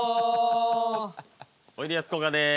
おいでやすこがです。